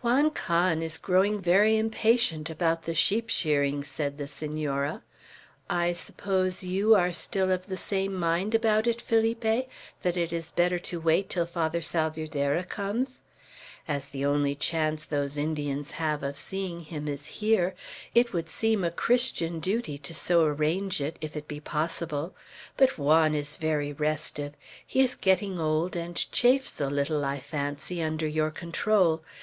"Juan Can is growing very impatient about the sheep shearing," said the Senora. "I suppose you are still of the same mind about it, Felipe, that it is better to wait till Father Salvierderra comes? As the only chance those Indians have of seeing him is here, it would seem a Christian duty to so arrange it, if it be possible; but Juan is very restive. He is getting old, and chafes a little, I fancy, under your control.